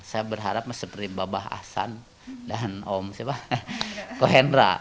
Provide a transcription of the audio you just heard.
saya berharap seperti babah ahsan dan om kohendra